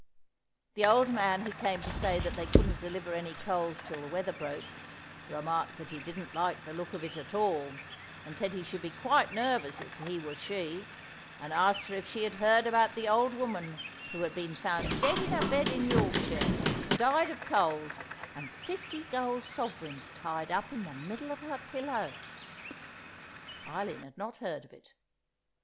The old man who came to say that they couldn't deliver any coals till the weather broke, remarked that he didn't like the look of it at all, and said he should be quite nervous if he were she, and asked her if she had heard about the old woman who had been found dead in her bed in Yorkshire, died of cold, and fifty golden sovereigns tied up in the middle of her pillow? Eileen had not heard of it.